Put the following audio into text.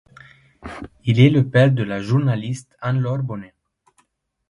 Il est le père de la journaliste Anne-Laure Bonnet.